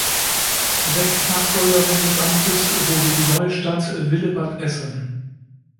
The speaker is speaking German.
Rechtsnachfolgerin des Amtes wurde die neue Stadt Willebadessen.